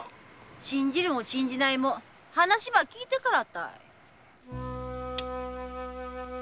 信じるも信じないも話ば聞いてからたい。